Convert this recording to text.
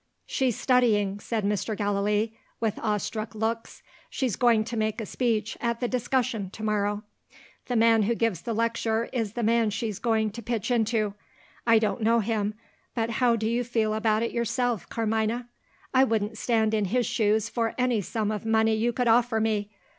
"She's studying," said Mr. Gallilee, with awe struck looks. "She's going to make a speech at the Discussion to morrow. The man who gives the lecture is the man she's going to pitch into. I don't know him; but how do you feel about it yourself, Carmina? I wouldn't stand in his shoes for any sum of money you could offer me.